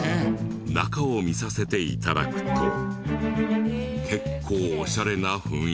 中を見させて頂くと結構オシャレな雰囲気。